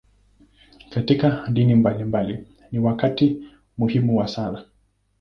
Katika dini mbalimbali, ni wakati muhimu wa sala.